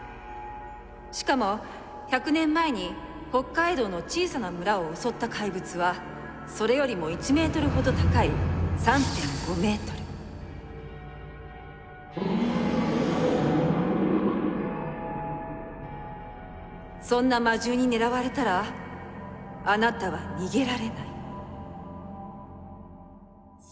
しかも１００年前に北海道の小さな村を襲った怪物はそれよりも１ｍほど高いそんな魔獣に狙われたらあなたは逃げられない。